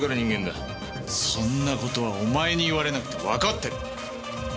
そんな事はお前に言われなくてもわかってる！